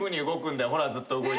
ほらずっと動いてる。